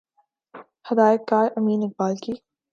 ہدایت کار امین اقبال کی